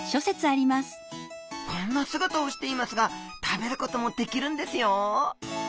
こんな姿をしていますが食べることもできるんですよ